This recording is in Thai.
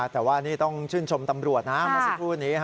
แต่ว่านี่ต้องชื่นชมตำรวจนะมาซิกรูดนี้